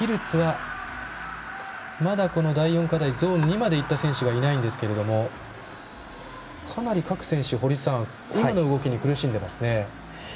ピルツは、まだこの第４課題ゾーン２までいった選手がいないんですけれどもかなり各選手苦しんでいますね。